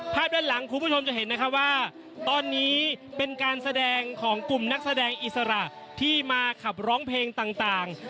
ด้านหลังคุณผู้ชมจะเห็นนะคะว่าตอนนี้เป็นการแสดงของกลุ่มนักแสดงอิสระที่มาขับร้องเพลงต่าง